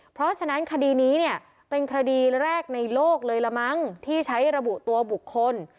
เพราะฉะนั้นคดีนี้เนี่ยเป็นคดีแรกในโลกเลยละมั้งที่ใช้ระบุตัวบุคคล